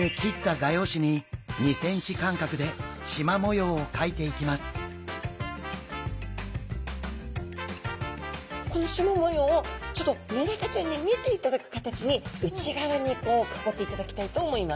次にそして切ったこのしま模様をちょっとメダカちゃんに見ていただく形に内側にこう囲っていただきたいと思います。